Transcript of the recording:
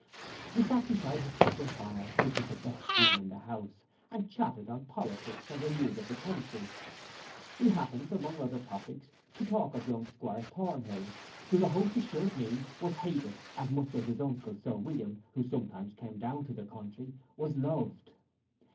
We sate beside his kitchen fire, which was the best room in the house, and chatted on politics and the news of the country. We happened, among other topics, to talk of young 'Squire Thornhill, who the host assured me was hated as much as his uncle Sir William, who sometimes came down to the country, was loved.